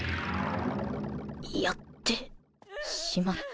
やってしまった